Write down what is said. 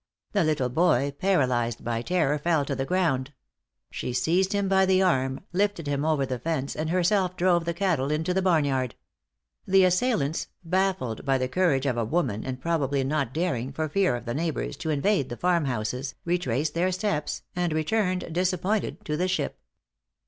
The little boy, paralyzed by terror, fell to the ground. She seized him by the arm, lifted him over the fence, and herself drove the cattle into the barnyard. The assailants, baffled by the courage of a woman, and probably not daring, for fear of the neighbors, to invade the farm houses, retraced their steps, and returned disappointed to the ship.